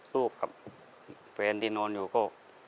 กับแฟนที่นอนอยู่ก็